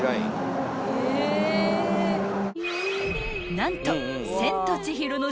［何と］